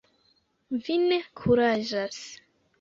Vi ne kuraĝas?